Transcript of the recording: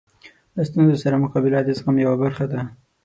له ستونزو سره مقابله د زغم یوه برخه ده.